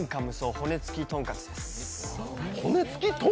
骨付きとんかつ？